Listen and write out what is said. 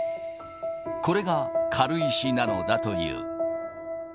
これが軽石なのだという。